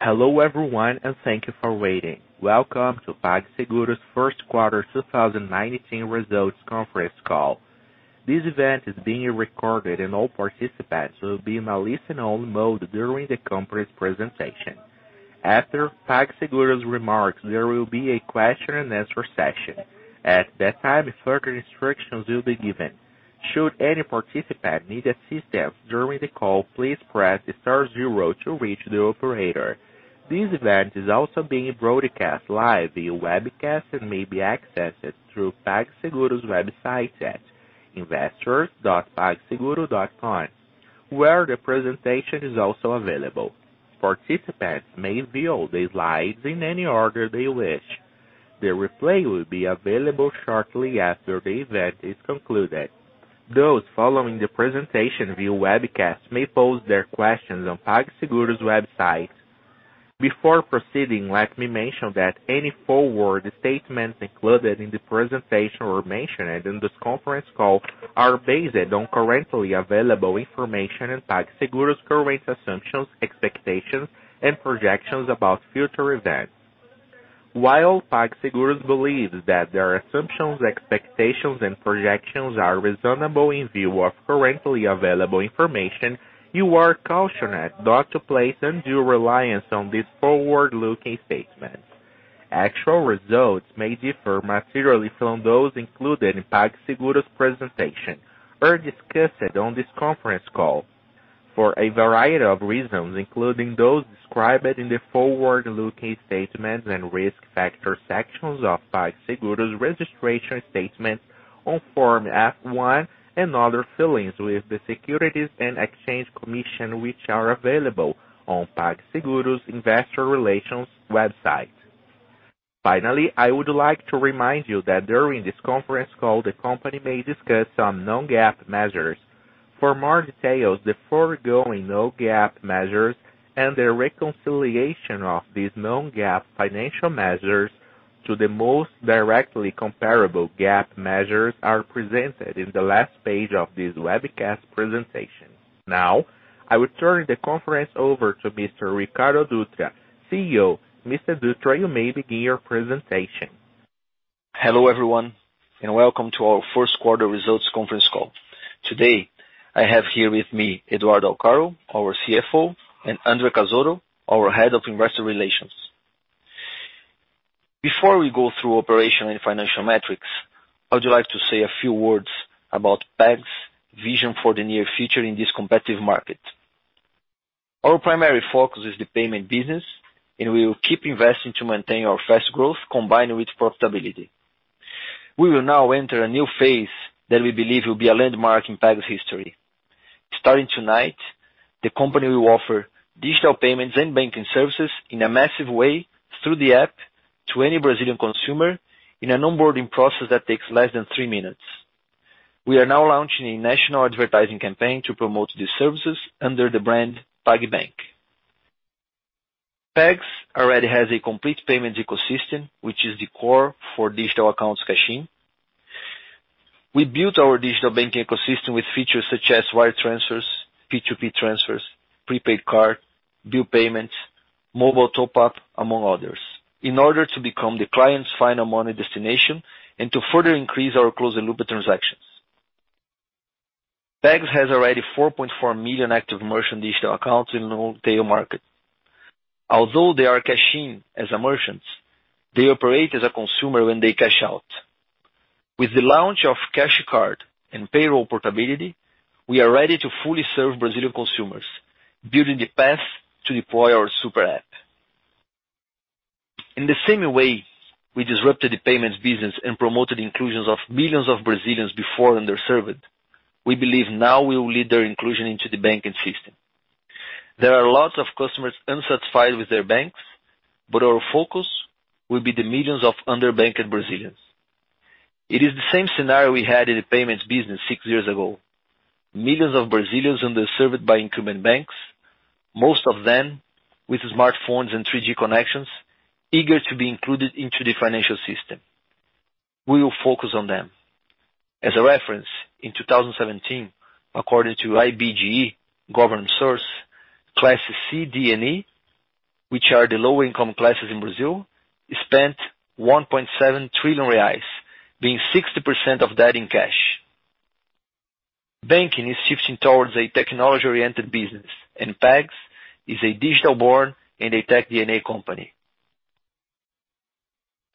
Hello everyone, and thank you for waiting. Welcome to PagSeguro's first quarter 2019 results conference call. This event is being recorded and all participants will be in a listen-only mode during the company's presentation. After PagSeguro's remarks, there will be a Q&A session. At that time, further instructions will be given. Should any participant need assistance during the call, please press star zero to reach the operator. This event is also being broadcast live via webcast and may be accessed through PagSeguro's website at investors.pagseguro.com, where the presentation is also available. Participants may view the slides in any order they wish. The replay will be available shortly after the event is concluded. Those following the presentation via webcast may pose their questions on PagSeguro's website. Before proceeding, let me mention that any forward statements included in the presentation or mentioned in this conference call are based on currently available information and PagSeguro's current assumptions, expectations, and projections about future events. While PagSeguro believes that their assumptions, expectations, and projections are reasonable in view of currently available information, you are cautioned not to place undue reliance on these forward-looking statements. Actual results may differ materially from those included in PagSeguro's presentation or discussed on this conference call for a variety of reasons, including those described in the Forward-Looking Statements and Risk Factor sections of PagSeguro's registration statements on Form F-1 and other filings with the Securities and Exchange Commission, which are available on PagSeguro's investor relations website. Finally, I would like to remind you that during this conference call, the company may discuss some non-GAAP measures. For more details, the foregoing non-GAAP measures and the reconciliation of these non-GAAP financial measures to the most directly comparable GAAP measures are presented in the last page of this webcast presentation. I will turn the conference over to Mr. Ricardo Dutra, CEO. Mr. Dutra, you may begin your presentation. Hello, everyone, and welcome to our first quarter results conference call. Today, I have here with me Eduardo Alcaro, our CFO, and André Cazotto, our Head of Investor Relations. Before we go through operational and financial metrics, I would like to say a few words about Pag's vision for the near future in this competitive market. Our primary focus is the payment business, and we will keep investing to maintain our fast growth combined with profitability. We will now enter a new phase that we believe will be a landmark in Pag's history. Starting tonight, the company will offer digital payments and banking services in a massive way through the app to any Brazilian consumer in an onboarding process that takes less than three minutes. We are now launching a national advertising campaign to promote these services under the brand PagBank. PAGS already has a complete payment ecosystem, which is the core for digital accounts cashing. We built our digital banking ecosystem with features such as wire transfers, P2P transfers, prepaid card, bill payments, mobile top up, among others, in order to become the client's final money destination and to further increase our closed loop of transactions. PAGS has already 4.4 million active merchant digital accounts in the retail market. Although they are cashing as a merchant, they operate as a consumer when they cash out. With the launch of cash card and payroll portability, we are ready to fully serve Brazilian consumers, building the path to deploy our super app. In the same way we disrupted the payments business and promoted inclusions of millions of Brazilians before underserved, we believe now we will lead their inclusion into the banking system. There are lots of customers unsatisfied with their banks, but our focus will be the millions of underbanked Brazilians. It is the same scenario we had in the payments business six years ago. Millions of Brazilians underserved by incumbent banks, most of them with smartphones and 3G connections, eager to be included into the financial system. We will focus on them. As a reference, in 2017, according to IBGE government source, classes C, D, and E, which are the low-income classes in Brazil, spent 1.7 trillion reais, being 60% of that in cash. Banking is shifting towards a technology-oriented business, and PAG is a digital-born and a tech DNA company.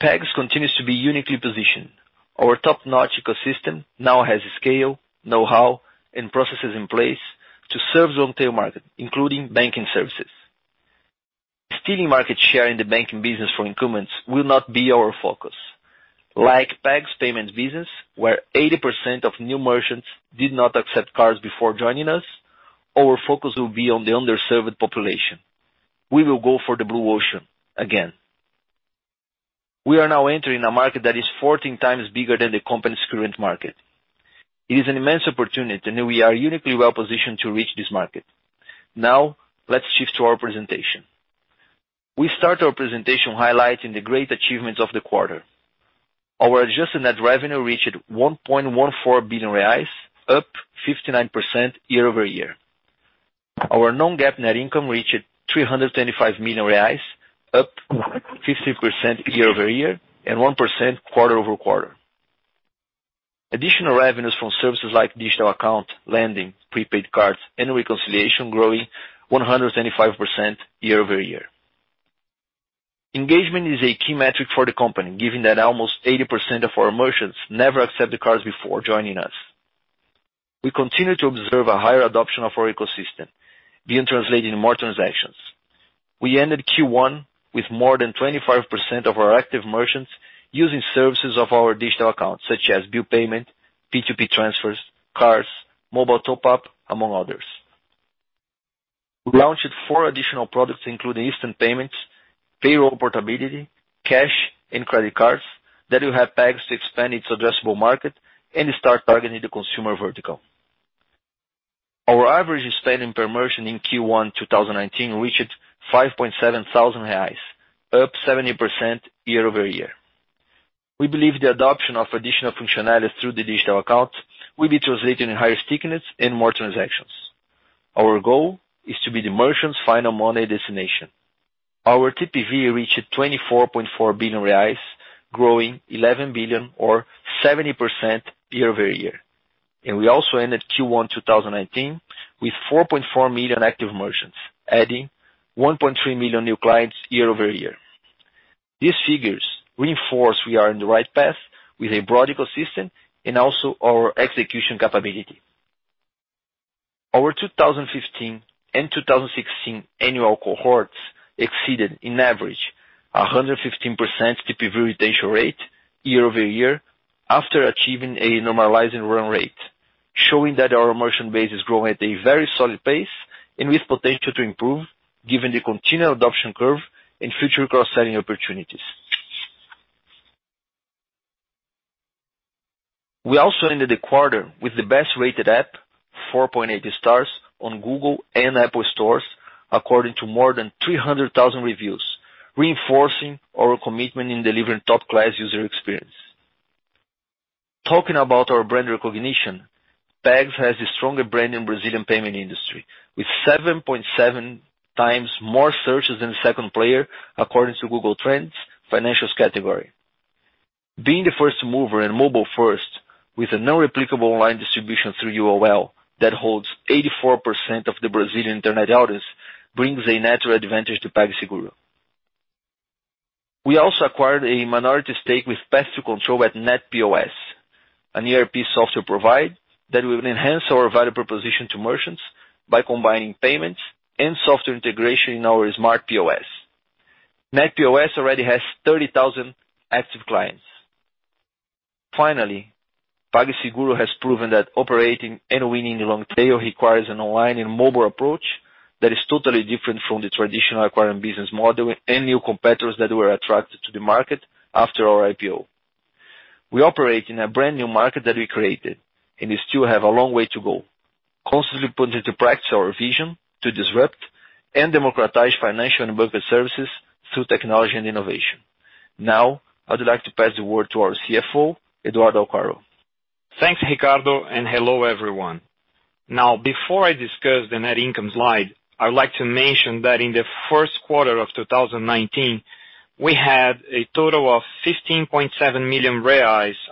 Pag continues to be uniquely positioned. Our top-notch ecosystem now has scale, know-how, and processes in place to serve the retail market, including banking services. Stealing market share in the banking business for incumbents will not be our focus. Like Pag's payments business, where 80% of new merchants did not accept cards before joining us, our focus will be on the underserved population. We will go for the blue ocean again. We are now entering a market that is 14 times bigger than the company's current market. It is an immense opportunity, and we are uniquely well-positioned to reach this market. Now, let's shift to our presentation. We start our presentation highlighting the great achievements of the quarter. Our adjusted net revenue reached 1.14 billion reais, up 59% year-over-year. Our non-GAAP net income reached 325 million reais, up 50% year-over-year and 1% quarter-over-quarter. Additional revenues from services like digital account, lending, prepaid cards, and reconciliation growing 125% year-over-year. Engagement is a key metric for the company, given that almost 80% of our merchants never accepted cards before joining us. We continue to observe a higher adoption of our ecosystem being translated in more transactions. We ended Q1 with more than 25% of our active merchants using services of our digital accounts, such as bill payment, P2P transfers, cards, mobile top-up, among others. We launched four additional products, including instant payments, payroll portability, cash, and credit cards that will have PAGS to expand its addressable market and start targeting the consumer vertical. Our average spending per merchant in Q1 2019 reached 5,700, up 70% year-over-year. We believe the adoption of additional functionalities through the digital accounts will be translated in higher stickiness and more transactions. Our goal is to be the merchant's final money destination. Our TPV reached 24.4 billion reais, growing 11 billion or 70% year-over-year. We also ended Q1 2019 with 4.4 million active merchants, adding 1.3 million new clients year-over-year. These figures reinforce we are on the right path with a broad ecosystem and also our execution capability. Our 2015 and 2016 annual cohorts exceeded, in average, a 115% TPV retention rate year-over-year after achieving a normalizing run rate, showing that our merchant base is growing at a very solid pace and with potential to improve given the continued adoption curve and future cross-selling opportunities. We also ended the quarter with the best-rated app, 4.8 stars on Google and Apple stores according to more than 300,000 reviews, reinforcing our commitment in delivering top-class user experience. Talking about our brand recognition, PAGS has the stronger brand in Brazilian payment industry, with 7.7 times more searches than the second player, according to Google Trends financials category. Being the first mover and mobile first with a non-replicable online distribution through UOL that holds 84% of the Brazilian internet audience brings a natural advantage to PagSeguro. We also acquired a minority stake with path to control at NetPOS, an ERP software provider that will enhance our value proposition to merchants by combining payments and software integration in our smart POS. NetPOS already has 30,000 active clients. Finally, PagSeguro has proven that operating and winning the long tail requires an online and mobile approach that is totally different from the traditional acquiring business model and new competitors that were attracted to the market after our IPO. We operate in a brand new market that we created, and we still have a long way to go. Constantly put into practice our vision to disrupt and democratize financial and banking services through technology and innovation. I'd like to pass the word to our CFO, Eduardo Alcaro. Thanks, Ricardo Dutra, and hello, everyone. Before I discuss the net income slide, I would like to mention that in the first quarter of 2019, we had a total of 15.7 million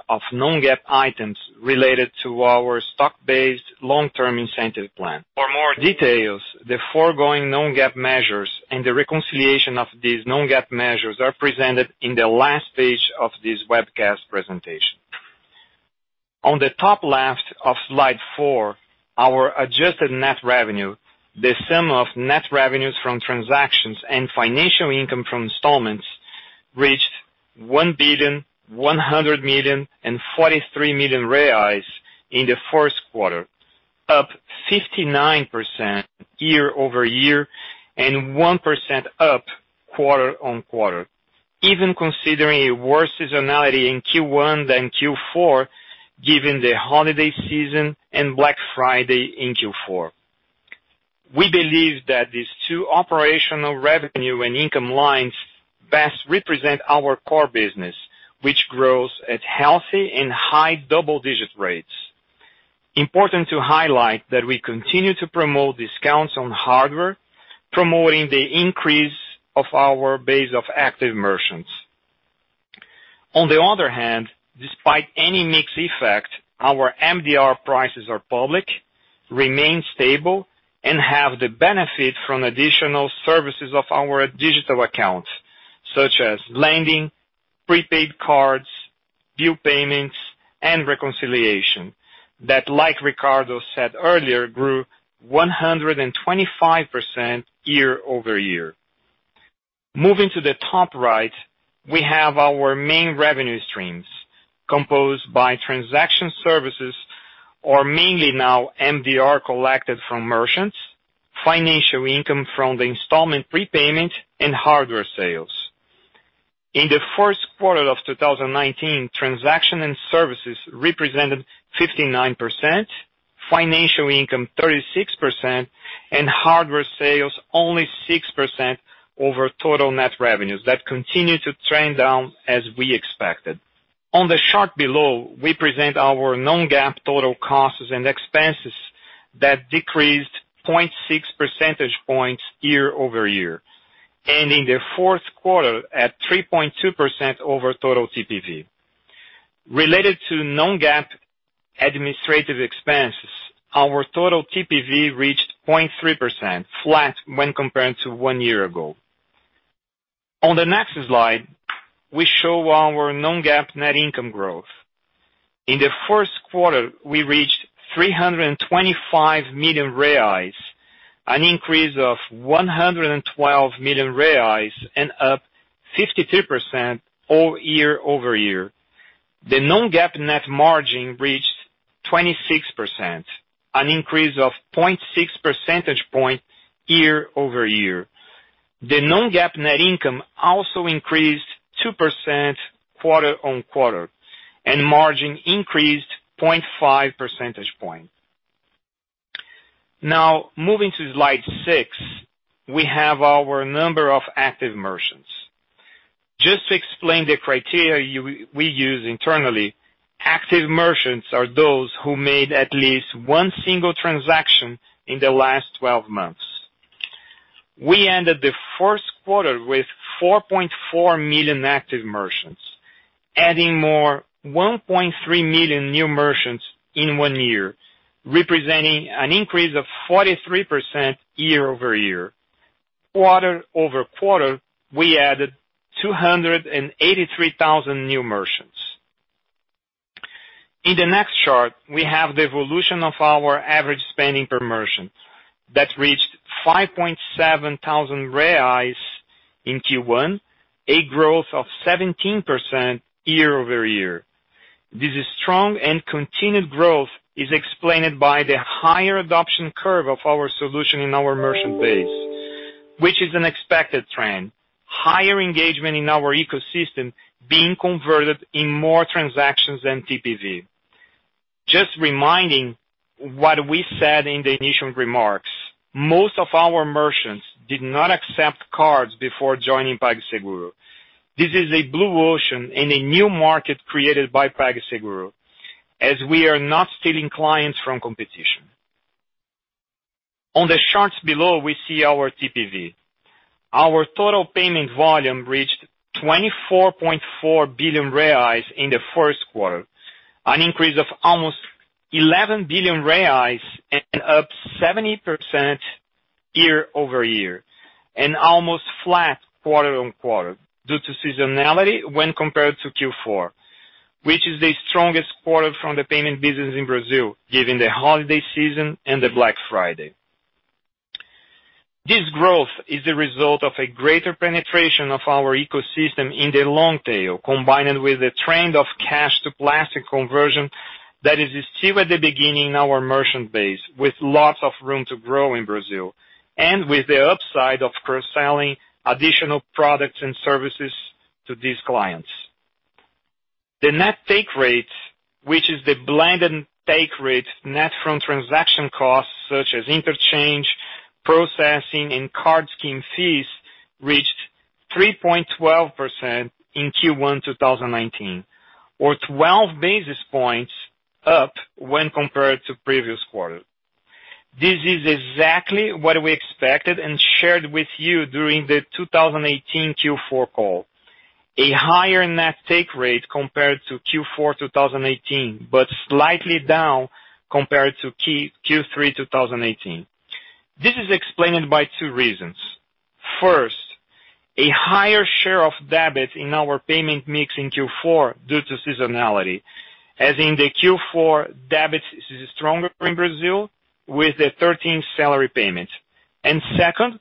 of non-GAAP items related to our stock-based long-term incentive plan. For more details, the foregoing non-GAAP measures and the reconciliation of these non-GAAP measures are presented in the last page of this webcast presentation. On the top left of slide four, our adjusted net revenue, the sum of net revenues from transactions and financial income from installments reached 1,143 million in the first quarter. Up 59% year-over-year and 1% up quarter-on-quarter. Even considering a worse seasonality in Q1 than Q4, given the holiday season and Black Friday in Q4. We believe that these two operational revenue and income lines best represent our core business, which grows at healthy and high double-digit rates. Important to highlight that we continue to promote discounts on hardware, promoting the increase of our base of active merchants. On the other hand, despite any mix effect, our MDR prices are public, remain stable, and have the benefit from additional services of our digital accounts, such as lending, prepaid cards, bill payments, and reconciliation. That, like Ricardo said earlier, grew 125% year-over-year. Moving to the top right, we have our main revenue streams composed by transaction services or mainly now MDR collected from merchants, financial income from the installment prepayment, and hardware sales. In the first quarter of 2019, transaction and services represented 59%, financial income 36%, and hardware sales only 6% over total net revenues. That continue to trend down as we expected. On the chart below, we present our non-GAAP total costs and expenses that decreased 0.6 percentage points year-over-year, ending the fourth quarter at 3.2% over total TPV. Related to non-GAAP administrative expenses, our total TPV reached 0.3%, flat when compared to one year ago. On the next slide, we show our non-GAAP net income growth. In the first quarter, we reached 325 million reais, an increase of 112 million reais, up 52% year-over-year. The non-GAAP net margin reached 26%, an increase of 0.6 percentage point year-over-year. The non-GAAP net income also increased 2% quarter-over-quarter, margin increased 0.5 percentage point. Moving to slide six, we have our number of active merchants. Just to explain the criteria we use internally, active merchants are those who made at least one single transaction in the last 12 months. We ended the first quarter with 4.4 million active merchants, adding more 1.3 million new merchants in one year, representing an increase of 43% year-over-year. Quarter-over-quarter, we added 283,000 new merchants. In the next chart, we have the evolution of our average spending per merchant that reached 5.7 thousand in Q1, a growth of 17% year-over-year. This strong and continued growth is explained by the higher adoption curve of our solution in our merchant base, which is an expected trend. Higher engagement in our ecosystem being converted in more transactions than TPV. Just reminding what we said in the initial remarks, most of our merchants did not accept cards before joining PagSeguro. This is a blue ocean in a new market created by PagSeguro, as we are not stealing clients from competition. On the charts below, we see our TPV. Our total payment volume reached 24.4 billion reais in the first quarter, an increase of almost 11 billion reais and up 70% year-over-year, and almost flat quarter-on-quarter due to seasonality when compared to Q4, which is the strongest quarter from the payment business in Brazil, given the holiday season and the Black Friday. This growth is a result of a greater penetration of our ecosystem in the long tail, combined with the trend of cash to plastic conversion that is still at the beginning in our merchant base, with lots of room to grow in Brazil and with the upside of cross-selling additional products and services to these clients. The net take rate, which is the blended take rate net from transaction costs such as interchange, processing, and card scheme fees, reached 3.12% in Q1 2019, or 12 basis points up when compared to previous quarter. This is exactly what we expected and shared with you during the 2018 Q4 call. A higher net take rate compared Q4 2018, slightly down compared Q3 2018. This is explained by two reasons. First, a higher share of debit in our payment mix in Q4 due to seasonality, as in the Q4, debit is stronger in Brazil with the thirteenth salary payment. Second,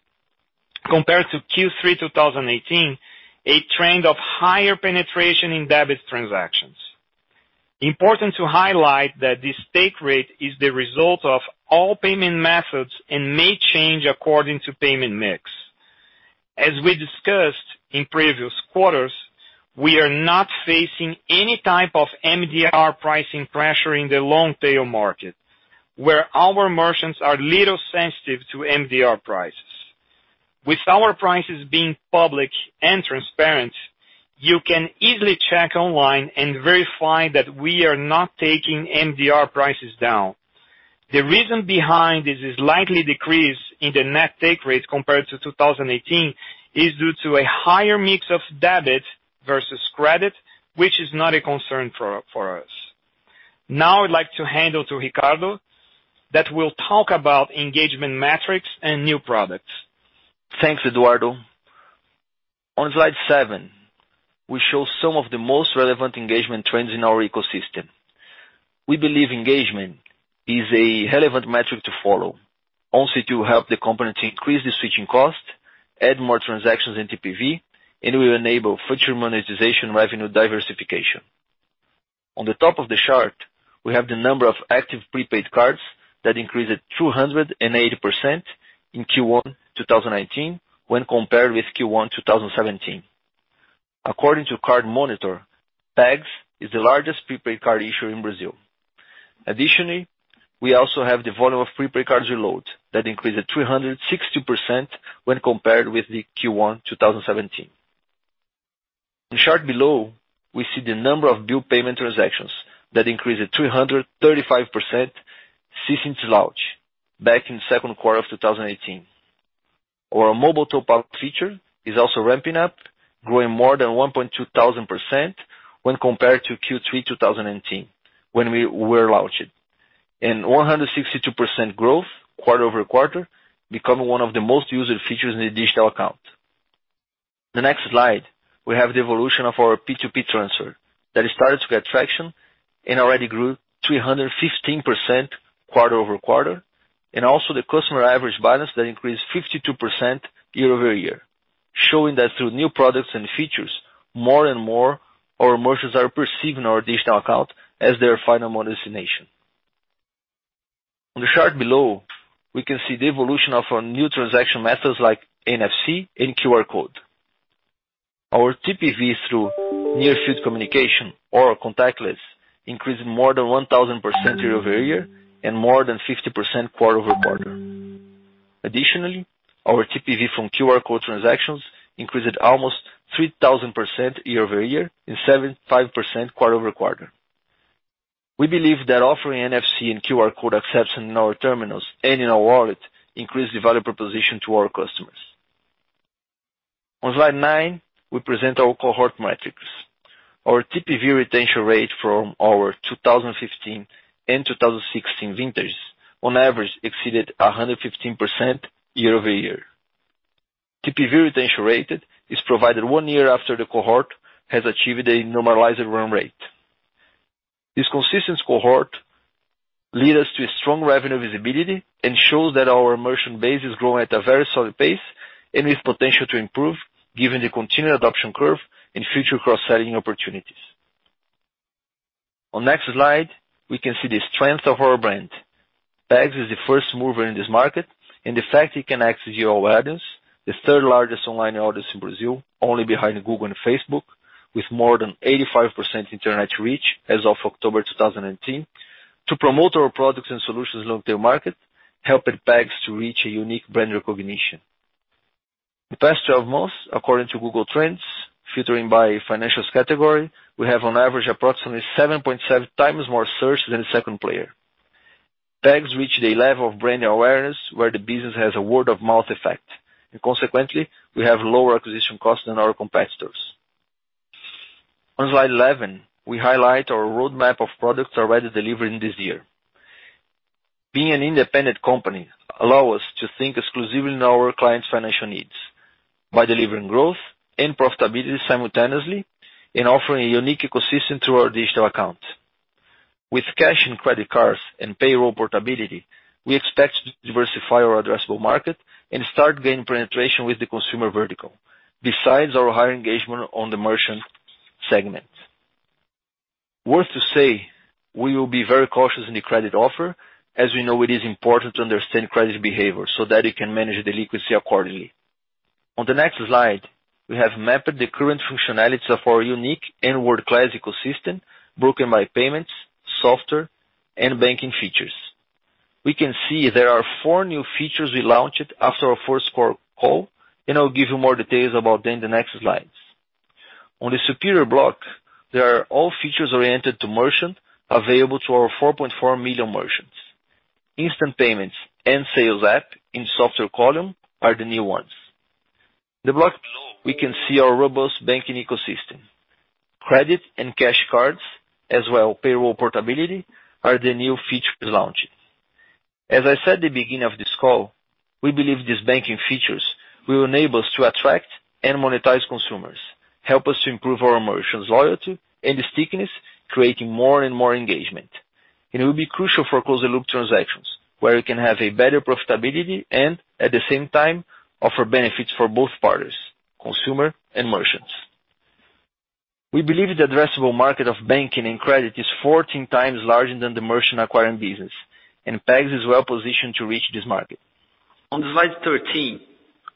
compared Q3 2018, a trend of higher penetration in debit transactions. Important to highlight that this take rate is the result of all payment methods and may change according to payment mix. As we discussed in previous quarters, we are not facing any type of MDR pricing pressure in the long tail market, where our merchants are little sensitive to MDR prices. With our prices being public and transparent, you can easily check online and verify that we are not taking MDR prices down. The reason behind this likely decrease in the net take rate compared to 2018, is due to a higher mix of debit versus credit, which is not a concern for us. Now I'd like to hand over to Ricardo that will talk about engagement metrics and new products. Thanks, Eduardo. On slide seven, we show some of the most relevant engagement trends in our ecosystem. We believe engagement is a relevant metric to follow, also to help the company to increase the switching cost, add more transactions in TPV, and will enable future monetization revenue diversification. On the top of the chart, we have the number of active prepaid cards that increased 280% in Q1 2019 when compared with Q1 2017. According to CardMonitor, PAGS is the largest prepaid card issuer in Brazil. Additionally, we also have the volume of prepaid cards reloads that increased 362% when compared with the Q1 2017. The chart below, we see the number of bill payment transactions that increased 335% since its launch back in second quarter of 2018. Our mobile top-up feature is also ramping up, growing more than 1,200% when compared to Q3 2018 when we were launching. 162% growth quarter-over-quarter, becoming one of the most used features in the digital account. The next slide, we have the evolution of our P2P transfer that has started to get traction and already grew 315% quarter-over-quarter. Also the customer average balance that increased 52% year-over-year. Showing that through new products and features, more and more our merchants are perceiving our digital account as their final monetization. On the chart below, we can see the evolution of our new transaction methods like NFC and QR code. Our TPV through near field communication or contactless increased more than 1,000% year-over-year and more than 50% quarter-over-quarter. Additionally, our TPV from QR code transactions increased almost 3,000% year-over-year and 75% quarter-over-quarter. We believe that offering NFC and QR code acceptance in our terminals and in our wallet increase the value proposition to our customers. On slide nine, we present our cohort metrics. Our TPV retention rate from our 2015 and 2016 vintages on average exceeded 115% year-over-year. TPV retention rate is provided one year after the cohort has achieved a normalized run rate. This consistent cohort leads us to a strong revenue visibility and shows that our merchant base is growing at a very solid pace and with potential to improve given the continued adoption curve and future cross-selling opportunities. On next slide, we can see the strength of our brand. PAGS is the first mover in this market, and the fact it can access UOL audience, the third-largest online audience in Brazil, only behind Google and Facebook, with more than 85% internet reach as of October 2018 to promote our products and solutions along their market, helping PAGS to reach a unique brand recognition. The past 12 months, according to Google Trends, filtering by financials category, we have on average approximately 7.7 times more search than the second player. PAGS reached a level of brand awareness where the business has a word-of-mouth effect, and consequently, we have lower acquisition cost than our competitors. On slide 11, we highlight our roadmap of products already delivered in this year. Being an independent company allow us to think exclusively in our clients' financial needs by delivering growth and profitability simultaneously and offering a unique ecosystem through our digital account. With cash and credit cards and payroll portability, we expect to diversify our addressable market and start gaining penetration with the consumer vertical. Besides our higher engagement on the merchant segment. Worth to say, we will be very cautious in the credit offer, as we know it is important to understand credit behavior so that it can manage the liquidity accordingly. On the next slide, we have mapped the current functionality of our unique and world-class ecosystem broken by payments, software, and banking features. We can see there are four new features we launched after our first call, I'll give you more details about them in the next slides. On the superior block, there are all features oriented to merchant available to our 4.4 million merchants. Instant payments and sales app in software column are the new ones. The block below, we can see our robust banking ecosystem. Credit and cash cards as well payroll portability are the new features launched. As I said at the beginning of this call, we believe these banking features will enable us to attract and monetize consumers, help us to improve our merchants' loyalty and stickiness, creating more and more engagement. It will be crucial for closed-loop transactions, where we can have a better profitability and, at the same time, offer benefits for both parties, consumer and merchants. We believe the addressable market of banking and credit is 14 times larger than the merchant acquiring business, and PAGS is well positioned to reach this market. On slide 13,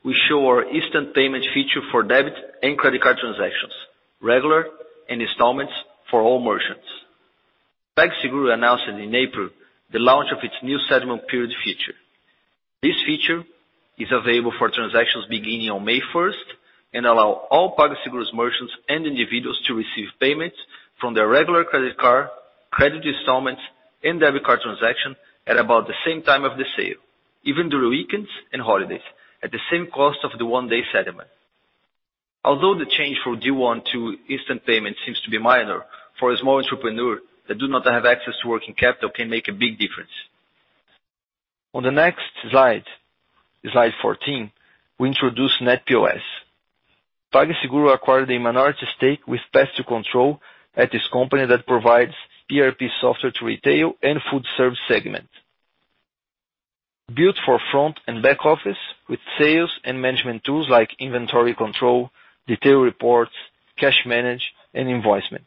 we show our instant payment feature for debit and credit card transactions, regular and installments for all merchants. PagSeguro announced in April the launch of its new settlement period feature. This feature is available for transactions beginning on May 1st and allow all PagSeguro's merchants and individuals to receive payments from their regular credit card, credit installments, and debit card transaction at about the same time of the sale, even during weekends and holidays, at the same cost of the one day settlement. Although the change from D+1 to instant payment seems to be minor, for a small entrepreneur that do not have access to working capital can make a big difference. On the next slide 14, we introduce NetPOS. PagSeguro acquired a minority stake with paths to control at this company that provides ERP software to retail and food service segment. Built for front and back office with sales and management tools like inventory control, detailed reports, cash manage, and investment.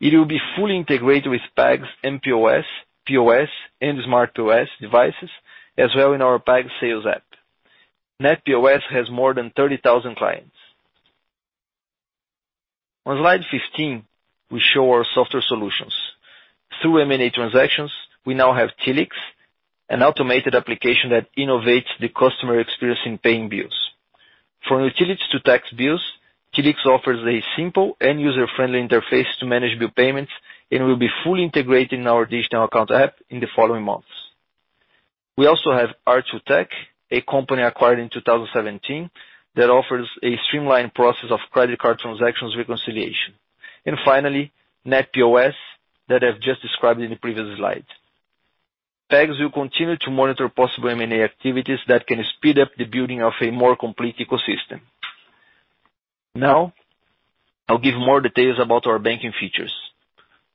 It will be fully integrated with PAG's mPOS, POS, and smart POS devices, as well in our PagVendas app. NetPOS has more than 30,000 clients. On slide 15, we show our software solutions. Through M&A transactions, we now have Tilix, an automated application that innovates the customer experience in paying bills. From utilities to tax bills, Tilix offers a simple and user-friendly interface to manage bill payments and will be fully integrated in our digital account app in the following months. We also have R2Tech, a company acquired in 2017, that offers a streamlined process of credit card transactions reconciliation. Finally, NetPOS that I've just described in the previous slide. PAG will continue to monitor possible M&A activities that can speed up the building of a more complete ecosystem. I'll give more details about our banking features.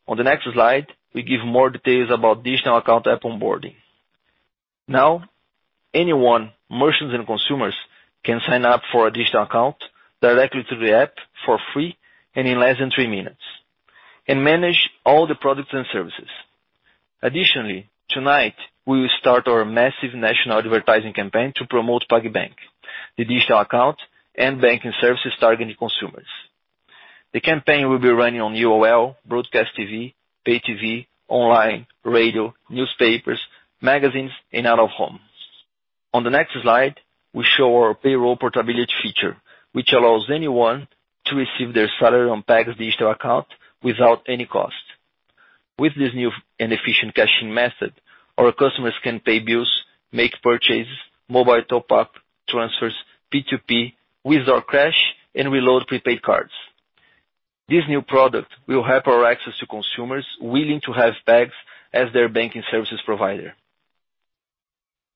On the next slide, we give more details about digital account app onboarding. Anyone, merchants and consumers, can sign up for a digital account directly to the app for free and in less than three minutes and manage all the products and services. Additionally, tonight, we will start our massive national advertising campaign to promote PagBank, the digital account and banking services targeting consumers. The campaign will be running on UOL, broadcast TV, pay TV, online, radio, newspapers, magazines, and out-of-home. On the next slide, we show our payroll portability feature, which allows anyone to receive their salary on PagBank's digital account without any cost. With this new and efficient cashing method, our customers can pay bills, make purchases, mobile top up, transfers, P2P, withdraw cash, and reload prepaid cards. This new product will help our access to consumers willing to have PagBank as their banking services provider.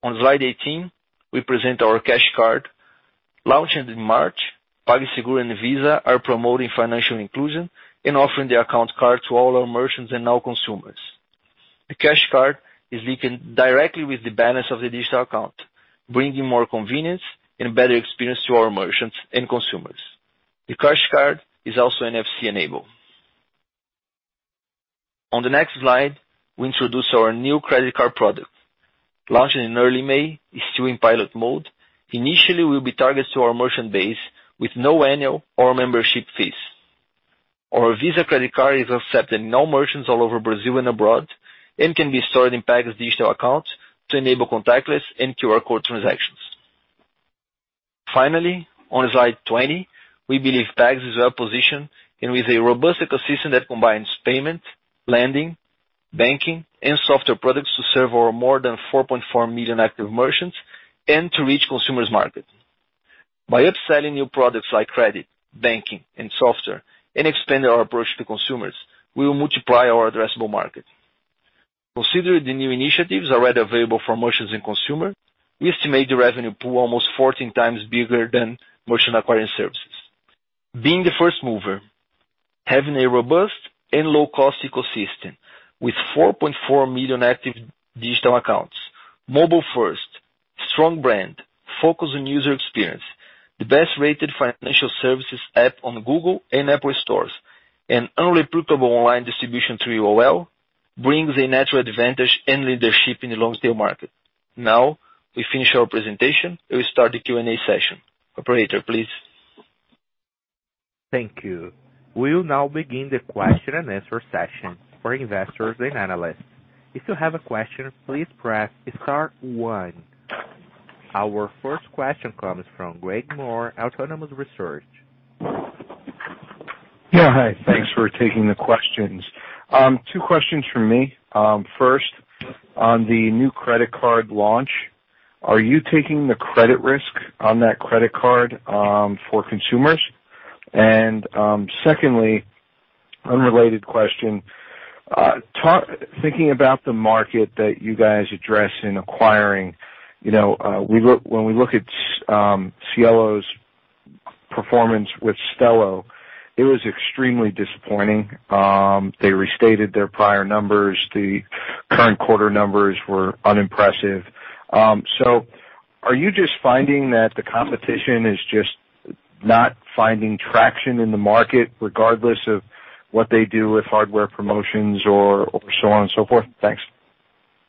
On slide 18, we present our cash card. Launched in March, PagSeguro and Visa are promoting financial inclusion and offering the account card to all our merchants and now consumers. The cash card is linked directly with the balance of the digital account, bringing more convenience and better experience to our merchants and consumers. The cash card is also NFC-enabled. On the next slide, we introduce our new credit card product. Launched in early May, it's still in pilot mode. Initially, we'll be targeted to our merchant base with no annual or membership fees. Our Visa credit card is accepted in all merchants all over Brazil and abroad and can be stored in PAG's digital accounts to enable contactless and QR code transactions. Finally, on slide 20, we believe PAG is well-positioned and with a robust ecosystem that combines payment, lending, banking, and software products to serve our more than 4.4 million active merchants and to reach consumers market. By upselling new products like credit, banking, and software and expanding our approach to consumers, we will multiply our addressable market. Considering the new initiatives already available for merchants and consumers, we estimate the revenue pool almost 14x bigger than merchant acquiring services. Being the first mover, having a robust and low-cost ecosystem with 4.4 million active digital accounts, mobile-first, strong brand, focus on user experience, the best rated financial services app on Google and Apple stores, and only profitable online distribution through UOL brings a natural advantage and leadership in the long tail market. We finish our presentation. We start the Q&A session. Operator, please. Thank you. We will now begin the Q&A session for investors and analysts. If you have a question, please press star one. Our first question comes from Craig Maurer, Autonomous Research. Yeah, hi. Thanks for taking the questions. Two questions from me. First, on the new credit card launch, are you taking the credit risk on that credit card for consumers? Secondly, unrelated question, thinking about the market that you guys address in acquiring, you know, when we look at Cielo's performance with Stelo, it was extremely disappointing. They restated their prior numbers. The current quarter numbers were unimpressive. Are you just finding that the competition is just not finding traction in the market regardless of what they do with hardware promotions or so on and so forth? Thanks.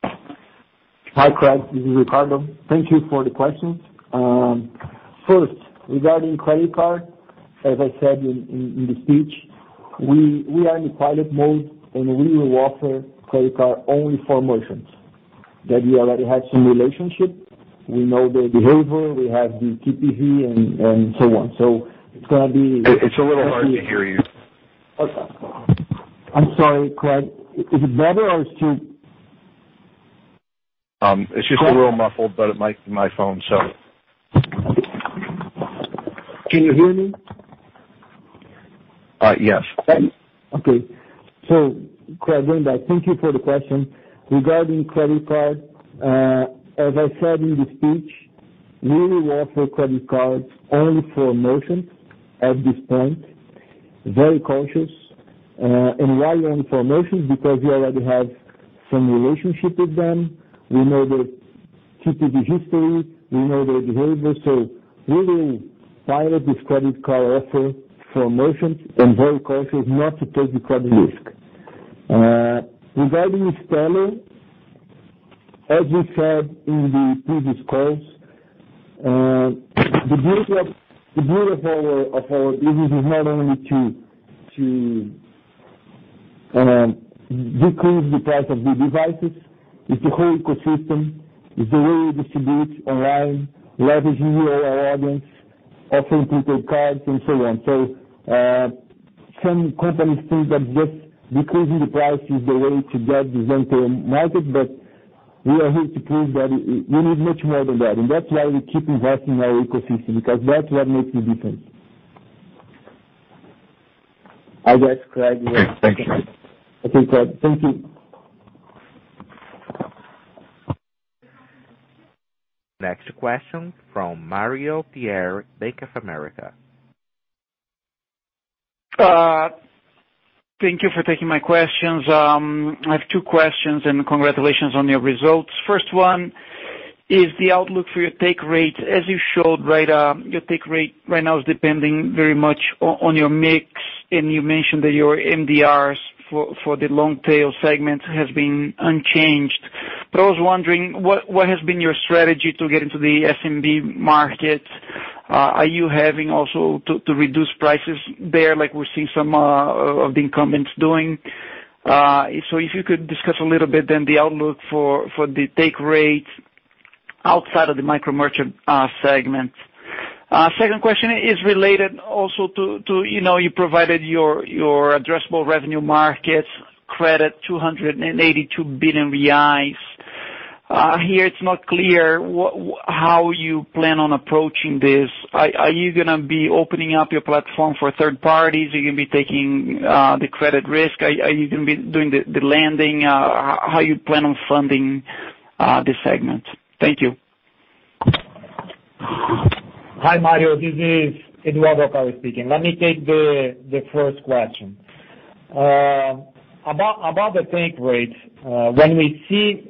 Hi, Craig. This is Ricardo. Thank you for the questions. First, regarding credit card, as I said in the speech, we are in pilot mode. We will offer credit card only for merchants that we already have some relationship. We know the behavior, we have the TPV and so on. It's a little hard to hear you. Okay. I'm sorry, Craig. Is it better or still? It's just a little muffled, but it might be my phone, so. Can you hear me? Yes. Okay. Craig, going back. Thank you for the question. Regarding credit card, as I said in the speech, we will offer credit cards only for merchants at this point. Very conscious. While you're on promotions because you already have some relationship with them, we know the TPV history, we know their behavior, we will pilot this credit card offer for promotions and very cautious not to take the credit risk. Regarding installment, as we said in the previous calls, the beauty of our business is not only to decrease the price of the devices. It's the whole ecosystem. It's the way we distribute online, leveraging our audience, offering prepaid cards and so on. Some companies think that just decreasing the price is the way to get this entire market, we are here to prove that we need much more than that. That's why we keep investing in our ecosystem because that's what makes the difference. I'll let Craig respond. Okay. Thank you. Okay, Craig. Thank you. Next question from Mario Pierry, Bank of America. Thank you for taking my questions. I have two questions and congratulations on your results. First one is the outlook for your take rate. As you showed, your take rate right now is depending very much on your mix, and you mentioned that your MDRs for the long tail segment has been unchanged. I was wondering what has been your strategy to get into the SMB market? Are you having also to reduce prices there like we're seeing some of the incumbents doing? If you could discuss a little bit then the outlook for the take rate outside of the micro merchant segment. Second question is related also to, you know, you provided your addressable revenue markets credit 282 billion reais. Here it's not clear how you plan on approaching this? Are you gonna be opening up your platform for third parties? Are you gonna be taking the credit risk? Are you gonna be doing the lending? How you plan on funding this segment? Thank you. Hi, Mario. This is Eduardo Alcaro speaking. Let me take the first question. About the take rate, when you see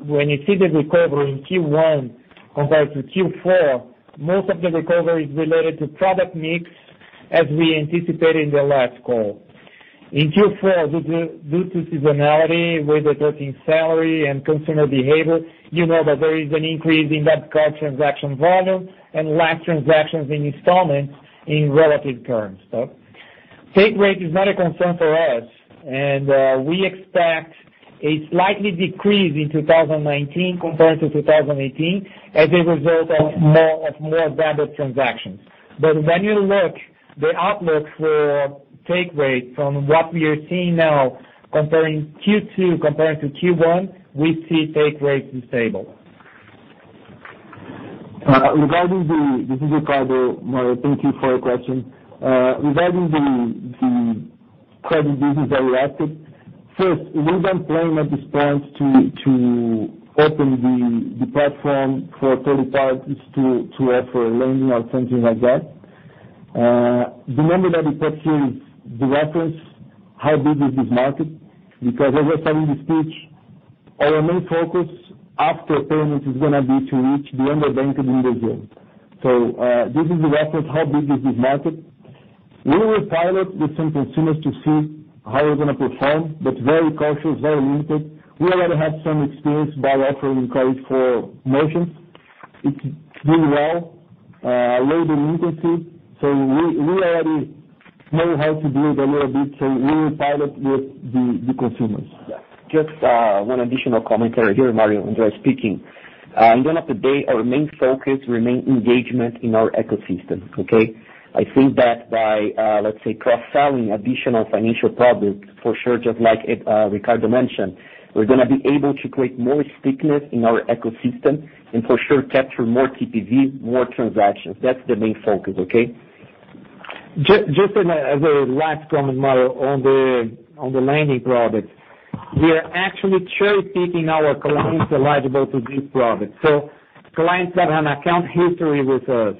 the recovery in Q1 compared to Q4, most of the recovery is related to product mix as we anticipated in the last call. In Q4, due to seasonality with adjusting salary and consumer behavior, you know that there is an increase in that card transaction volume and less transactions in installments in relative terms. Take rate is not a concern for us, and we expect a slightly decrease in 2019 compared to 2018 as a result of more branded transactions. When you look the outlook for take rate from what we are seeing now comparing Q2 comparing to Q1, we see take rate is stable. Regarding, this is Ricardo, Mario. Thank you for your question. Regarding the credit business that we offered, first, we don't plan at this point to open the platform for third parties to offer lending or something like that. The number that we put here is the reference how big is this market because as I said in the speech, our main focus after payments is gonna be to reach the underbanked individual. This is the reference how big is this market. We will pilot with some consumers to see how we're gonna perform, but very cautious, very limited. We already have some experience by offering credit for merchants. It's doing well, low delinquency. We already know how to do it a little bit, so we will pilot with the consumers. Just one additional commentary here, Mario. André speaking. End of the day, our main focus remain engagement in our ecosystem. Okay? I think that by, let's say, cross-selling additional financial products for sure, just like Ricardo mentioned, we're gonna be able to create more stickiness in our ecosystem and for sure capture more TPV, more transactions. That's the main focus. Okay? Just as a last comment, Mario, on the lending product. We are actually cherry-picking our clients eligible to this product. Clients that have an account history with us.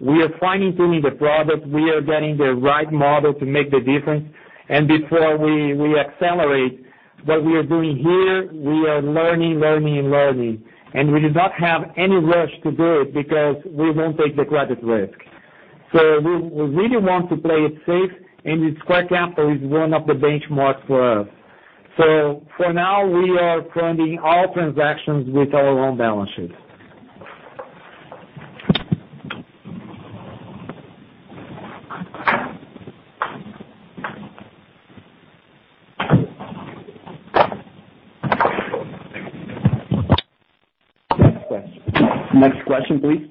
We are fine-tuning the product. We are getting the right model to make the difference. Before we accelerate what we are doing here, we are learning and learning. We do not have any rush to do it because we won't take the credit risk. We really want to play it safe, and Square Capital is one of the benchmarks for us. For now we are funding all transactions with our own balance sheets. Next question. Next question, please.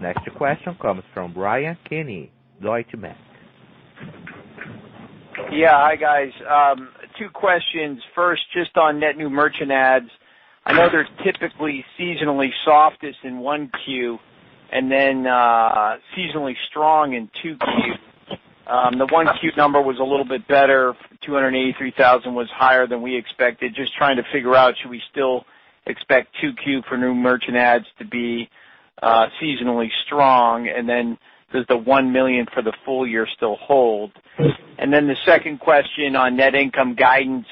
Next question comes from Bryan Keane, Deutsche Bank. Yeah. Hi, guys. Two questions. First, just on net new merchant adds. I know they're typically seasonally softest in 1Q, and then, seasonally strong in 2Q. The 1Q number was a little bit better, 283,000 was higher than we expected. Just trying to figure out should we still expect 2Q for new merchant adds to be seasonally strong, and then does the 1 million for the full year still hold? The second question on net income guidance,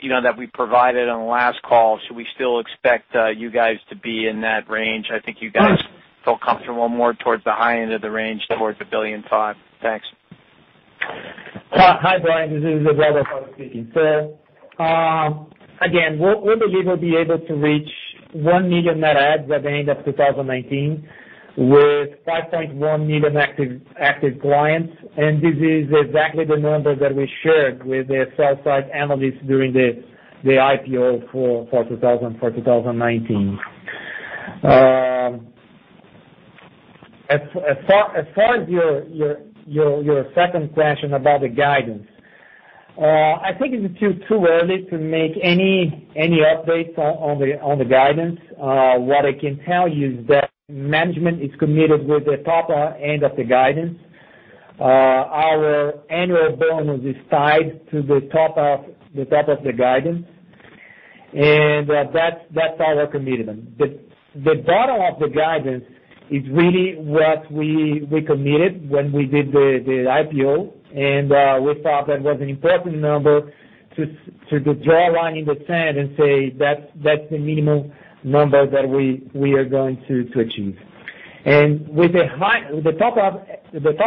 you know, that we provided on the last call. We still expect you guys to be in that range. I think you guys feel comfortable more towards the high end of the range, towards 1.5 billion. Thanks. Hi, Bryan. This is Eduardo Alcaro speaking. Again, we believe we'll be able to reach 1 million net adds by the end of 2019, with 5.1 million active clients, and this is exactly the number that we shared with the sell-side analysts during the IPO for 2019. As far as your second question about the guidance, I think it's too early to make any updates on the guidance. What I can tell you is that management is committed with the top end of the guidance. Our annual bonus is tied to the top of the guidance. That's our commitment. The bottom of the guidance is really what we committed when we did the IPO. We thought that was an important number to draw a line in the sand and say that's the minimum number that we are going to achieve. With the top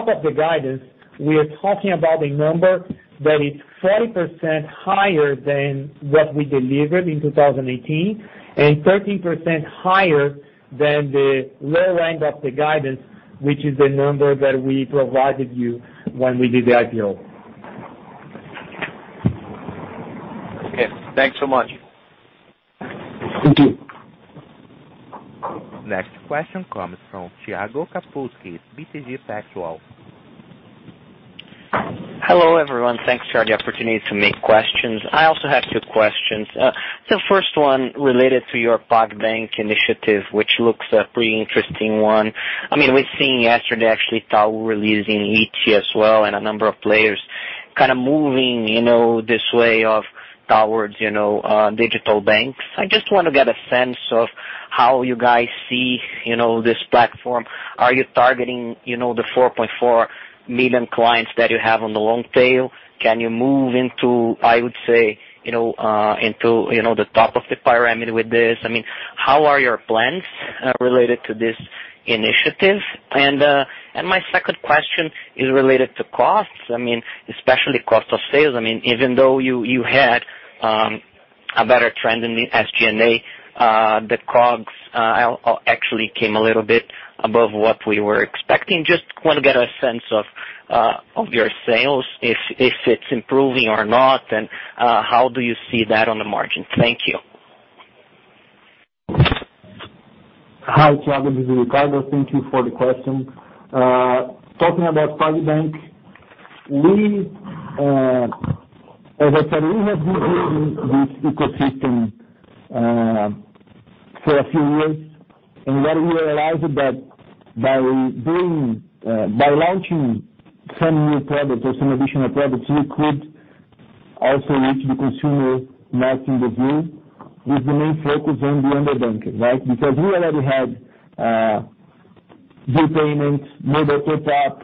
of the guidance, we are talking about a number that is 40% higher than what we delivered in 2018, and 13% higher than the low end of the guidance, which is the number that we provided you when we did the IPO. Okay. Thanks so much. Thank you. Next question comes from Thiago Kapulskis, BTG Pactual. Hello, everyone. Thanks for the opportunity to make questions. I also have two questions. The first one related to your PagBank initiative, which looks a pretty interesting one. I mean, we've seen yesterday actually Itaú releasing Iti as well, and a number of players kind of moving this way of towards, you know, digital banks. I just wanna get a sense of how you guys see this platform. Are you targeting the 4.4 million clients that you have on the long tail? Can you move into, I would say, into, you know, the top of the pyramid with this? I mean, how are your plans related to this initiative? My second question is related to costs. I mean, especially cost of sales. I mean, even though you had a better trend in the SG&A, the COGS actually came a little bit above what we were expecting. Just wanna get a sense of your sales, if it's improving or not, and how do you see that on the margin? Thank you. Hi, Thiago. This is Ricardo. Thank you for the question. Talking about PagBank, we, as I said, we have been building this ecosystem for a few years. Then we realized that by launching some new products or some additional products, we could also reach the consumer market as well, with the main focus on the underbanked, right? Because we already had bill payments, mobile top up,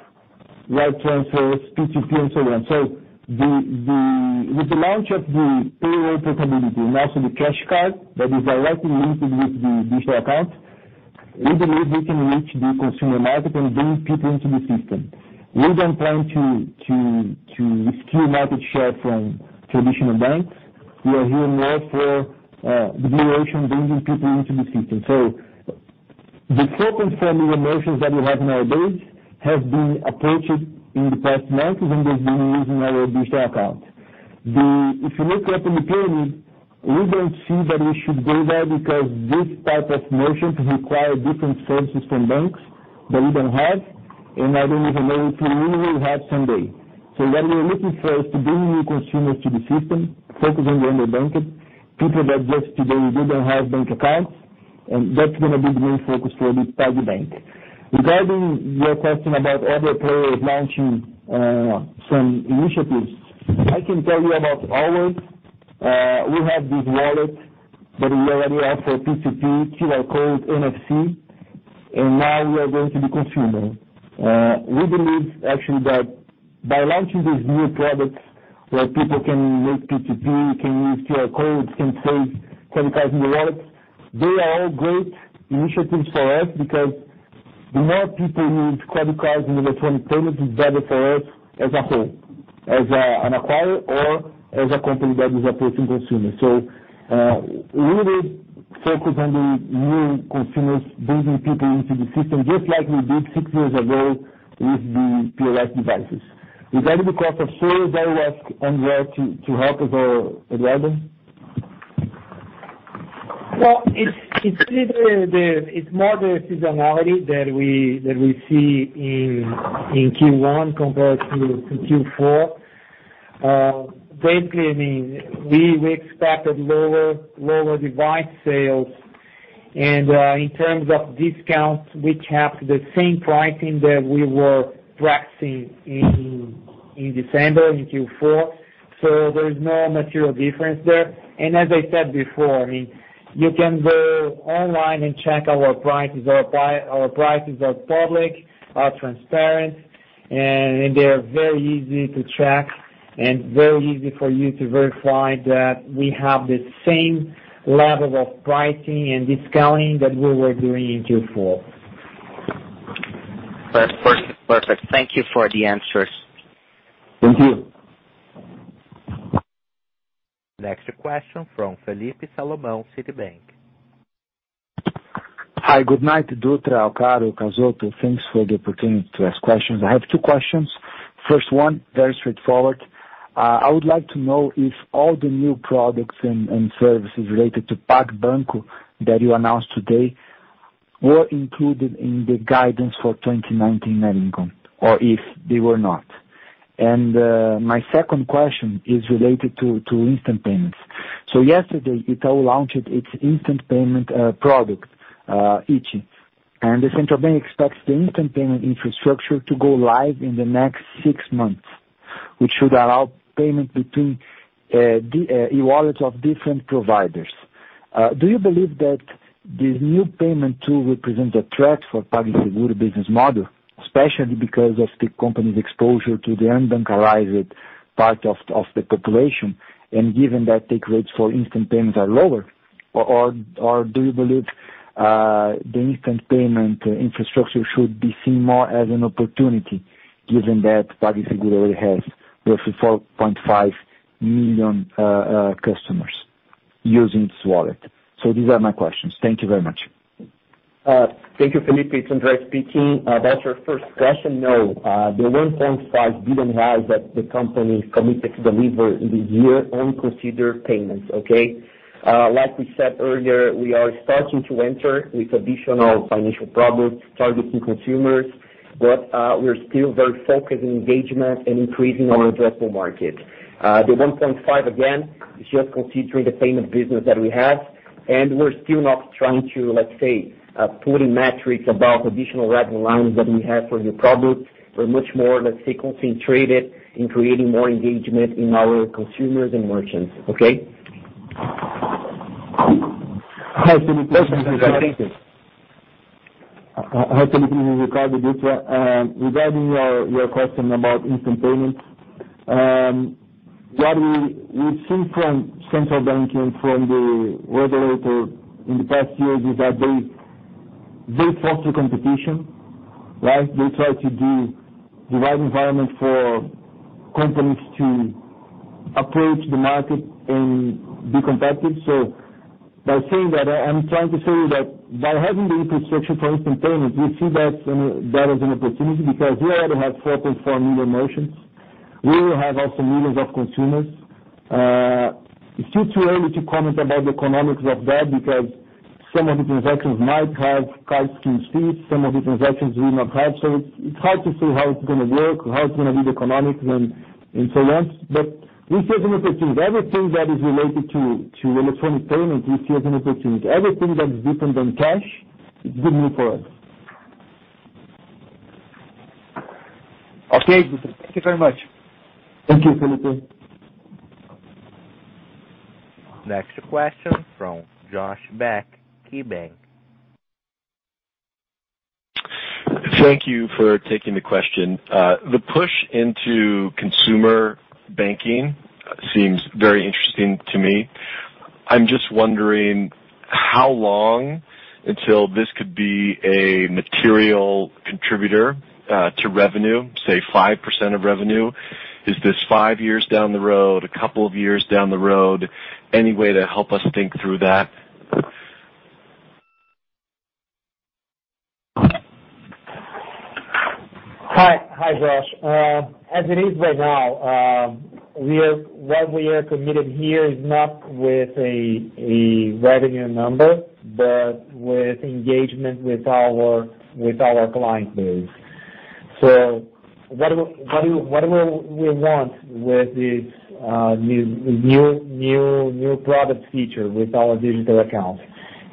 wire transfers, P2P and so on. With the launch of the payroll portability and also the cash card that is directly linked with the digital account, we believe we can reach the consumer market and bring people into the system. We don't plan to steal market share from traditional banks. We are here more for the generation bringing people into the system. The focus on the merchants that we have nowadays has been approaches in the past months, and there's been using our digital account. If you look up in the pyramid, we don't see that we should go there because this type of merchant require different services from banks that we don't have, and I don't even know if we will have someday. What we are looking for is to bring new consumers to the system, focus on the underbanked, people that just today didn't have bank accounts, and that's gonna be the main focus for the PagBank. Regarding your question about other players launching some initiatives, I can tell you about ours. We have this wallet that is already offered P2P, QR code, NFC, and now we are going to the consumer. We believe actually that by launching these new products where people can make P2P, can use QR codes, can save credit cards in the wallet, they are all great initiatives for us because the more people use credit cards and electronic payments is better for us as a whole, as an acquirer or as a company that is approaching consumers. We will focus on the new consumers, bringing people into the system, just like we did six years ago with the POS devices. Regarding the cost of sales, I will ask André to help as well, André. It's really the seasonality that we see in Q1 compared to Q4. Basically, I mean, we expected lower device sales. In terms of discounts, we kept the same pricing that we were practicing in December, in Q4. There is no material difference there. As I said before, I mean, you can go online and check our prices. Our prices are public, are transparent, and they are very easy to track and very easy for you to verify that we have the same level of pricing and discounting that we were doing in Q4. That's perfect. Thank you for the answers. Thank you. Next question from Felipe Salomão, Citibank. Hi. Good night, Ricardo Dutra, Eduardo Alcaro, André Cazotto. Thanks for the opportunity to ask questions. I have two questions. First one, very straightforward. I would like to know if all the new products and services related to PagBank that you announced today were included in the guidance for 2019 net income, or if they were not. My second question is related to instant payments. Yesterday, Itaú launched its instant payment product, Iti. The central bank expects the instant payment infrastructure to go live in the next six months, which should allow payment between e-wallets of different providers. Do you believe that this new payment tool represents a threat for PagSeguro business model, especially because of the company's exposure to the unbanked or unreached part of the population, and given that the rates for instant payments are lower? Or do you believe the instant payment infrastructure should be seen more as an opportunity given that PagSeguro already has roughly 4.5 million customers using its wallet? These are my questions. Thank you very much. Thank you, Felipe. It's André speaking. About your first question, no. The 1.5 billion that the company committed to deliver this year only consider payments, okay. Like we said earlier, we are starting to enter with additional financial products targeting consumers, but we're still very focused on engagement and increasing our addressable market. The 1.5 billion, again, is just considering the payment business that we have, and we're still not trying to, let's say, put in metrics about additional revenue lines that we have for new products. We're much more, let's say, concentrated in creating more engagement in our consumers and merchants, okay. Hi, Felipe. This is Felipe. Go ahead, Ricardo. Hi, Felipe. This is Ricardo Dutra. Regarding your question about instant payments, what we've seen from central banking, from the regulator in the past years is that they foster competition, right? They try to do the right environment for companies to approach the market and be competitive. By saying that, I'm trying to say that by having the infrastructure for instant payments, we see that as an opportunity because we already have 4.4 million merchants. We have also millions of consumers. It's still too early to comment about the economics of that because some of the transactions might have card scheme fees, some of the transactions will not have. It's hard to say how it's gonna work, how it's gonna be the economics and so on. We see as an opportunity. Everything that is related to electronic payment, we see as an opportunity. Everything that's different than cash is good news for us. Okay, Dutra. Thank you very much. Thank you, Felipe. Next question from Josh Beck, KeyBanc. Thank you for taking the question. The push into consumer banking seems very interesting to me. I'm just wondering how long until this could be a material contributor to revenue, say 5% of revenue. Is this five years down the road, a couple of years down the road? Any way to help us think through that? Hi. Hi, Josh. As it is right now, what we are committed here is not with a revenue number, but with engagement with our client base. What do we want with this new product feature with our digital accounts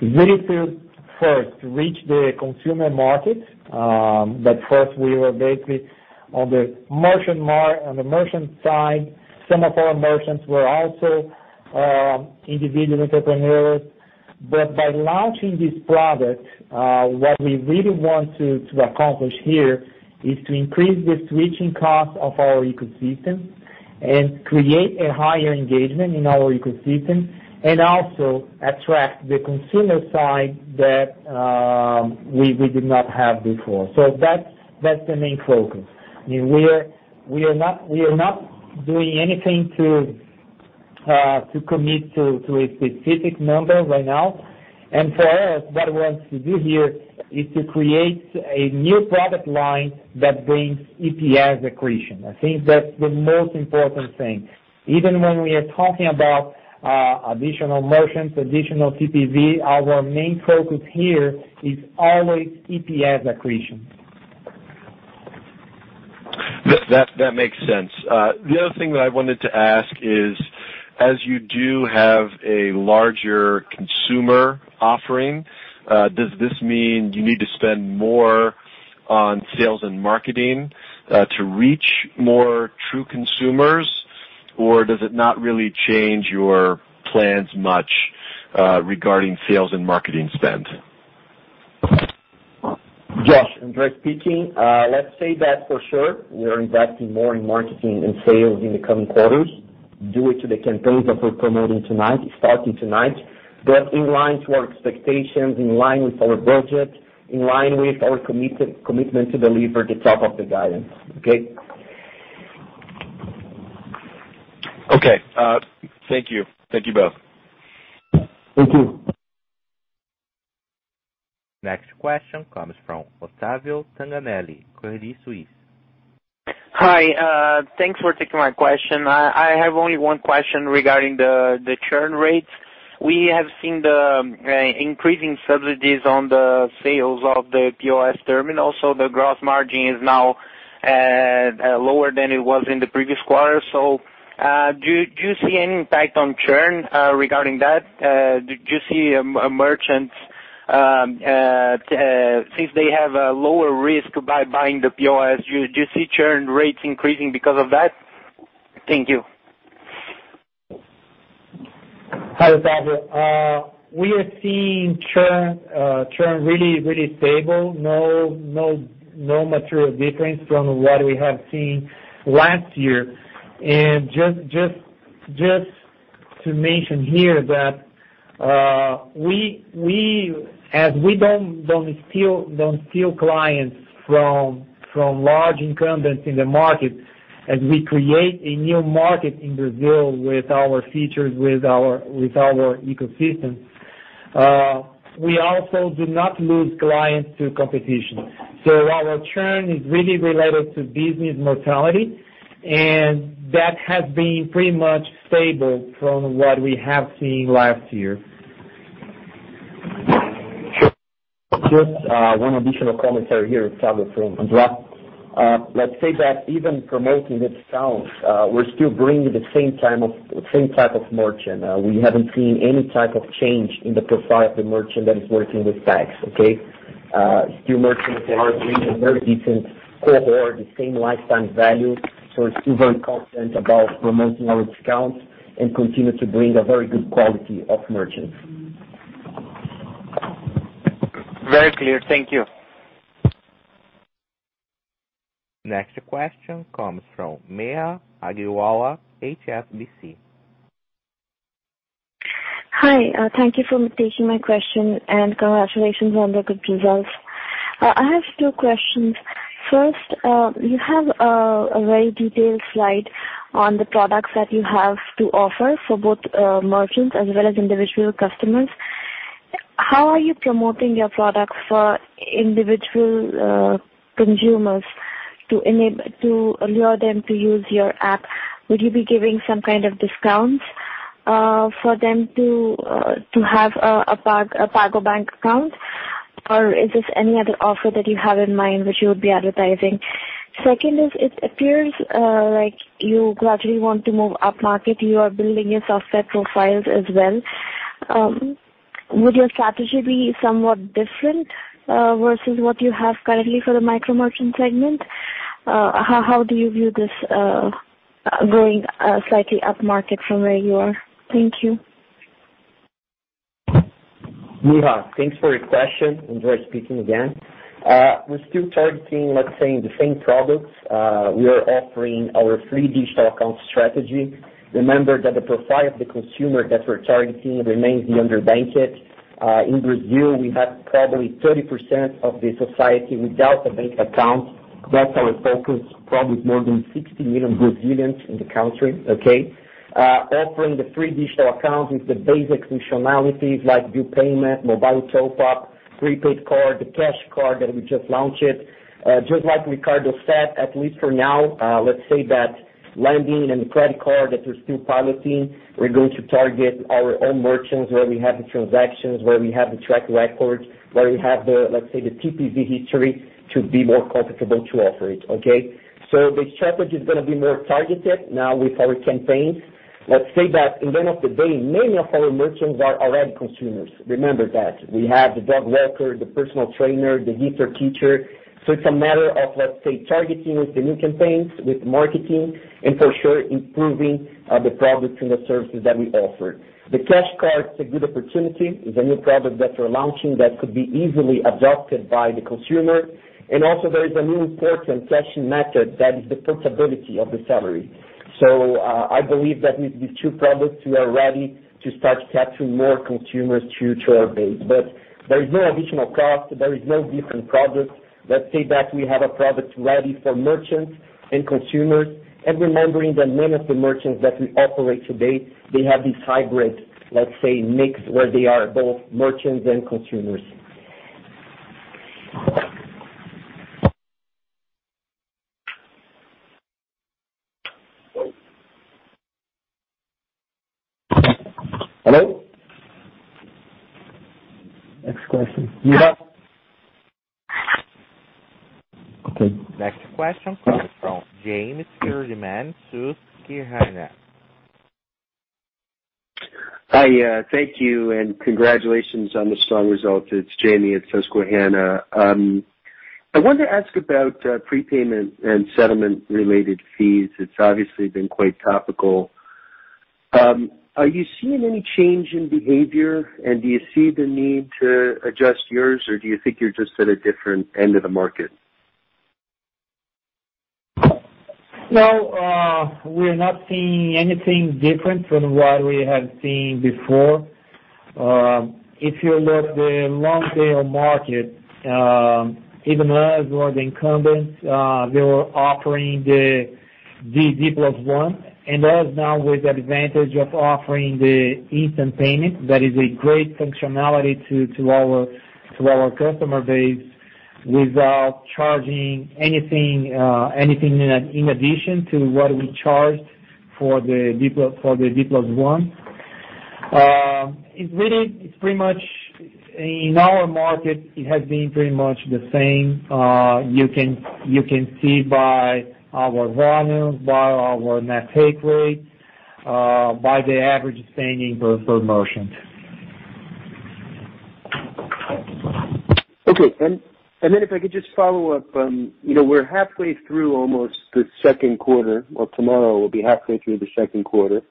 is really to first reach the consumer market, that first we were basically on the merchant side. Some of our merchants were also individual entrepreneurs. By launching this product, what we really want to accomplish here is to increase the switching cost of our ecosystem and create a higher engagement in our ecosystem, and also attract the consumer side that we did not have before. That's the main focus. I mean, we are not doing anything to commit to a specific number right now. For us, what we want to do here is to create a new product line that brings EPS accretion. I think that's the most important thing. Even when we are talking about additional merchants, additional TPV, our main focus here is always EPS accretion. That makes sense. As you do have a larger consumer offering, does this mean you need to spend more on sales and marketing to reach more true consumers? Or does it not really change your plans much regarding sales and marketing spend? Josh, André speaking. Let's say that for sure we are investing more in marketing and sales in the coming quarters due to the campaigns that we're promoting tonight, starting tonight. In line with our expectations, in line with our budget, in line with our commitment to deliver the top of the guidance. Okay. Okay. Thank you. Thank you both. Thank you. Next question comes from Otavio Tanganelli, Credit Suisse. Hi. Thanks for taking my question. I have only one question regarding the churn rates. We have seen the increasing subsidies on the sales of the POS terminal. The gross margin is now lower than it was in the previous quarter. Do you see any impact on churn regarding that? Do you see a merchant, since they have a lower risk by buying the POS, do you see churn rates increasing because of that? Thank you. Hi, Otavio. We are seeing churn really stable. No material difference from what we have seen last year. Just to mention here that as we don't steal clients from large incumbents in the market, as we create a new market in Brazil with our features, with our ecosystem, we also do not lose clients to competition. Our churn is really related to business mortality, and that has been pretty much stable from what we have seen last year. Sure. One additional commentary here, Otavio, from André. Let's say that even promoting discounts, we're still bringing the same type of merchant. We haven't seen any type of change in the profile of the merchant that is working with PAGS. Okay? Still merchants that are bringing a very decent cohort, the same lifetime value. We're still very confident about promoting our discounts and continue to bring a very good quality of merchants. Very clear. Thank you. Next question comes from Neha Agarwala, HSBC. Hi. Thank you for taking my question, and congratulations on the good results. I have two questions. First, you have a very detailed slide on the products that you have to offer for both merchants as well as individual customers. How are you promoting your products for individual consumers to lure them to use your app? Would you be giving some kind of discounts for them to have a PagBank account? Or is this any other offer that you have in mind which you would be advertising? Second is, it appears like you gradually want to move upmarket. You are building your software profiles as well. Would your strategy be somewhat different versus what you have currently for the micro-merchant segment? How do you view this going slightly upmarket from where you are? Thank you. Neha, thanks for your question. Andre speaking again. We're still targeting, let's say, the same products. We are offering our free digital account strategy. Remember that the profile of the consumer that we're targeting remains the underbanked. In Brazil, we have probably 30% of the society without a bank account. That's our focus, probably more than 60 million Brazilians in the country. Okay? Offering the free digital accounts with the basic functionalities like bill payment, mobile top up, prepaid card, the cash card that we just launched. Just like Ricardo said, at least for now, let's say that lending and credit card that we're still piloting, we're going to target our own merchants where we have the transactions, where we have the track record, where we have the, let's say, the TPV history to be more comfortable to offer it. Okay? The strategy is gonna be more targeted now with our campaigns. Let's say that at the end of the day, many of our merchants are already consumers. Remember that. We have the dog walker, the personal trainer, the guitar teacher. It's a matter of, let's say, targeting with the new campaigns, with marketing, and for sure improving the products and the services that we offer. The cash card is a good opportunity. It's a new product that we're launching that could be easily adopted by the consumer. Also there is a new important cash-in method that is the possibility of the salary. I believe that with these two products, we are ready to start capturing more consumers to our base. There is no additional cost. There is no different product. Let's say that we have a product ready for merchants and consumers, and remembering that many of the merchants that we operate today, they have this hybrid, let's say, mix where they are both merchants and consumers. Hello? Next question. Okay. Next question comes from Jamie Friedman Susquehanna. Hi, thank you, and congratulations on the strong results. It's Jamie at Susquehanna. I wanted to ask about prepayment and settlement-related fees. It's obviously been quite topical. Are you seeing any change in behavior, and do you see the need to adjust yours, or do you think you're just at a different end of the market? No, we're not seeing anything different from what we have seen before. If you look the long tail market, even us or the incumbents, they were offering the D+1, and us now with the advantage of offering the instant payment, that is a great functionality to our customer base without charging anything in addition to what we charged for the D+1. It really, it's pretty much in our market, it has been pretty much the same. You can see by our volume, by our net take rate, by the average spending per merchant. Okay. If I could just follow up, you know, we're halfway through almost the second quarter or tomorrow we'll be halfway through the second quarter.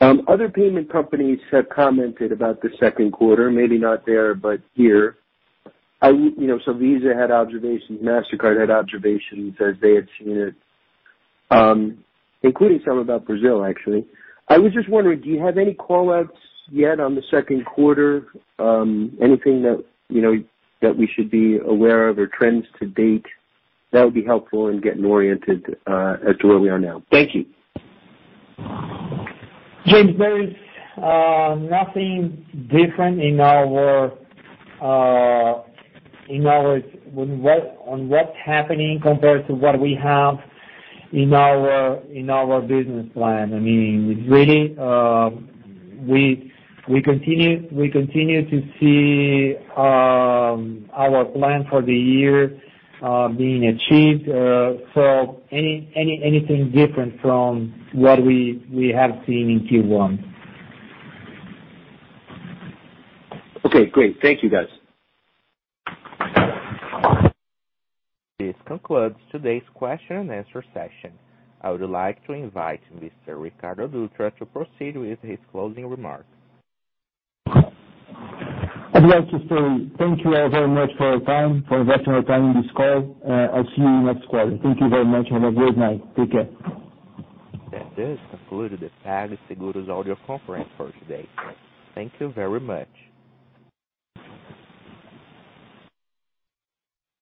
Other payment companies have commented about the second quarter, maybe not there, but here. You know, Visa had observations, Mastercard had observations as they had seen it, including some about Brazil, actually. I was just wondering, do you have any call-outs yet on the second quarter? Anything that, you know, that we should be aware of or trends to date that would be helpful in getting oriented as to where we are now? Thank you. Jamie, there is nothing different on what's happening compared to what we have in our business plan. I mean, we really, we continue to see our plan for the year being achieved, so anything different from what we have seen in Q1. Okay, great. Thank you, guys. This concludes today's Q&A session. I would like to invite Mr. Ricardo Dutra to proceed with his closing remarks. I'd like to say thank you all very much for your time, for investing your time in this call. I'll see you next quarter. Thank you very much. Have a great night. Take care. That does conclude the PagSeguro's audio conference for today. Thank you very much.